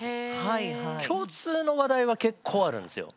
共通の話題は結構あるんですよ。